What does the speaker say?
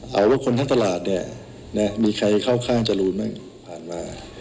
เอาว่าคนทั้งตลาดเนี่ยมีใครเข้าข้างจรูนบ้างผ่านมา